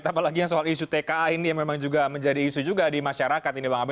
apalagi yang soal isu tka ini yang memang juga menjadi isu juga di masyarakat ini bang abe